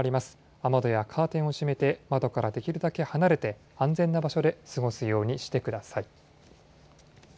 雨戸やカーテンを閉めて窓からできるだけ離れて安全な場所で過ごすようにしてください。